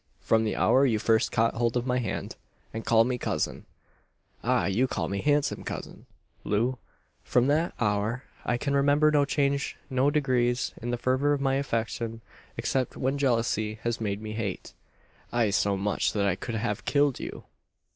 From the hour you first caught hold of my hand, and called me cousin ah! you called me handsome cousin, Loo from that hour I can remember no change, no degrees, in the fervour of my affection; except when jealousy has made me hate ay, so much, that I could have killed you!"